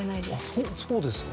そうですか。